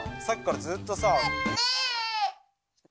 さっきからずっとさ。